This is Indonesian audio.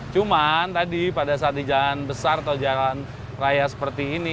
cuman tadi pada saat di jalan besar atau jalan raya seperti ini